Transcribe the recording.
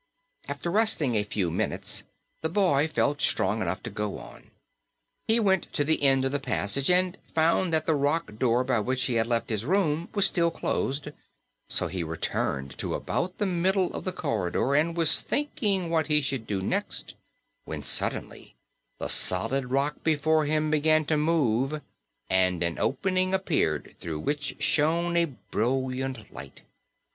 After resting a few minutes, the boy felt strong enough to go on. He went to the end of the passage and found that the rock door by which he had left his room was still closed, so he returned to about the middle of the corridor and was thinking what he should do next, when suddenly the solid rock before him began to move and an opening appeared through which shone a brilliant light.